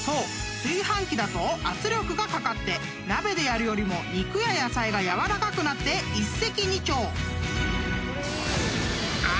炊飯器だと圧力がかかって鍋でやるよりも肉や野菜が軟らかくなって一石二鳥］